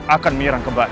akan mirang kembali